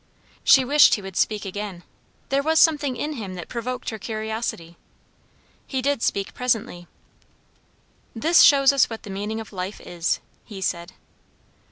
She wished he would speak again; there was something in him that provoked her curiosity. He did speak presently. "This shows us what the meaning of life is," he said.